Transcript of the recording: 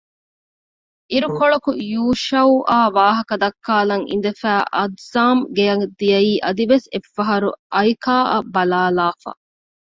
އިރުކޮޅަކު ޔޫޝައުއާ ވާހަކަދައްކާލަން އިނދެފައި އައްޒާމް ގެއަށް ދިޔައީ އަދިވެސް އެއްފަހަރު އައިކާއަށް ބަލާލާފަ